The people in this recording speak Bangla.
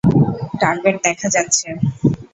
টার্গেট দেখা যাচ্ছে।